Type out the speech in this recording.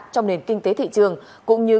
trong nền kinh tế thị trường cũng như